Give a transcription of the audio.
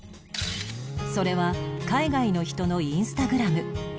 それは海外の人のインスタグラム